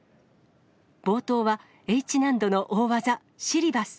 冒頭はＨ難度の大技、シリバス。